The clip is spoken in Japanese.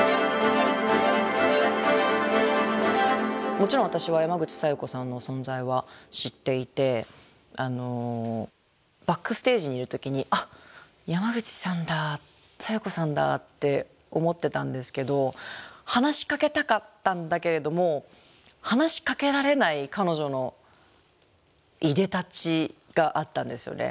もちろん私は山口小夜子さんの存在は知っていてバックステージにいる時にあっ山口さんだ小夜子さんだって思ってたんですけど話しかけたかったんだけれども話しかけられない彼女のいでたちがあったんですよね。